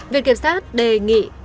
việc kiểm soát đề nghị